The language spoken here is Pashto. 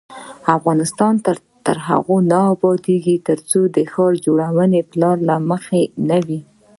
افغانستان تر هغو نه ابادیږي، ترڅو ښار جوړونه د پلان له مخې نه وي.